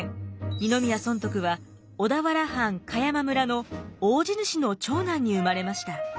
二宮尊徳は小田原藩栢山村の大地主の長男に生まれました。